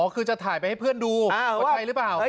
คือจะถ่ายไปให้เพื่อนดูว่าใช่หรือเปล่า